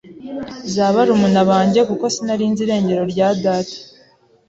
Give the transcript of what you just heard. za barumuna banjye kuko sinari nzi irengero rya data